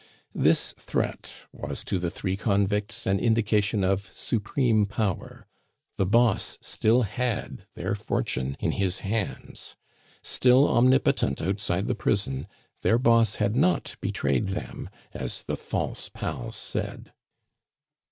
This threat was to the three convicts an indication of supreme power. The Boss still had their fortune in his hands. Still omnipotent outside the prison, their Boss had not betrayed them, as the false pals said.